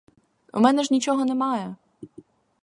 У мене ж нічого немає.